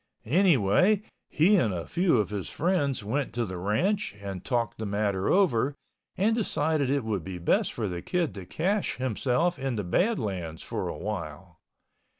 Anyway, he and a few of his friends went to the ranch and talked the matter over and decided it would be best for the Kid to cache himself in the Badlands for a while.